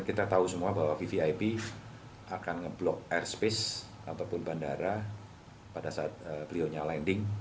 kita tahu semua bahwa vvip akan nge block airspace ataupun bandara pada saat beliaunya landing